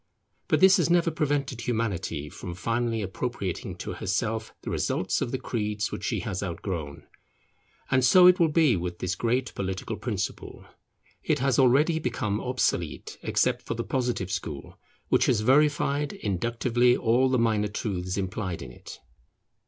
But this has never prevented Humanity from finally appropriating to herself the results of the creeds which she has outgrown. And so it will be with this great political principle; it has already become obsolete except for the Positive school, which has verified inductively all the minor truths implied in it.